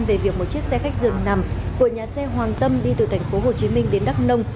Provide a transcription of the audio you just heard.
về việc một chiếc xe khách dường nằm của nhà xe hoàng tâm đi từ tp hcm đến đắk nông